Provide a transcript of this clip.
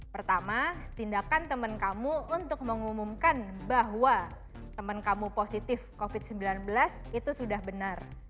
pertama tindakan teman kamu untuk mengumumkan bahwa temen kamu positif covid sembilan belas itu sudah benar